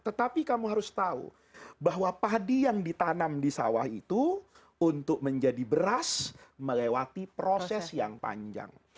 tetapi kamu harus tahu bahwa padi yang ditanam di sawah itu untuk menjadi beras melewati proses yang panjang